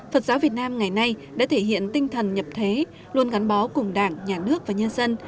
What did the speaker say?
phật giáo việt nam ngày nay đã thể hiện tinh thần nhập thế luôn gắn bó cùng đảng nhà nước và nhân dân